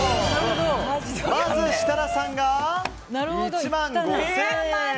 まず設楽さんが１万５０００円。